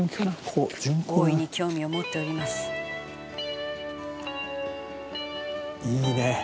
「大いに興味を持っております」いいね。